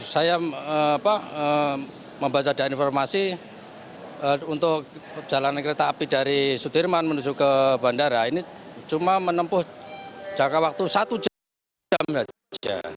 saya membaca ada informasi untuk jalan kereta api dari sudirman menuju ke bandara ini cuma menempuh jangka waktu satu jam saja